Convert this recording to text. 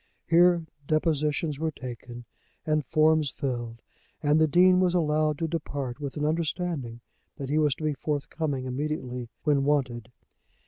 Here depositions were taken and forms filled, and the Dean was allowed to depart with an understanding that he was to be forthcoming immediately when wanted.